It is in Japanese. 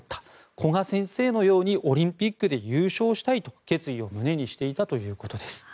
古賀先生のようにオリンピックで優勝したいと決意を胸にしていたということです。